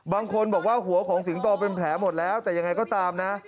บางคนบอกว่าหัวของสิงโตเป็นแผลหมดแล้วแต่ยังไงก็ตามนะ